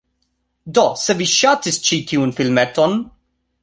Do, se vi ŝatis ĉi tiun filmeton